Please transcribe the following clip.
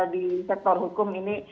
di sektor hukum ini